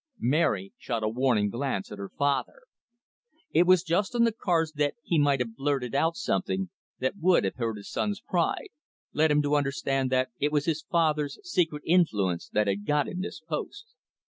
Mary shot a warning glance at her father. It was just on the cards that he might have blurted out something that would have hurt his son's pride, led him to understand that it was his father's secret influence that had got him this post.